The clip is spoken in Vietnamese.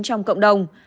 trong cộng đồng